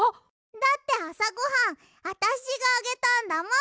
だってあさごはんあたしがあげたんだもん！